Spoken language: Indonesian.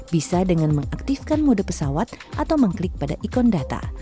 bisa dengan mengaktifkan mode pesawat atau mengklik pada ikon data